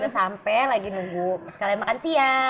sampai lagi nunggu sekalian makan siang